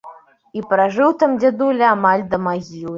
І пражыў там дзядуля амаль што да магілы.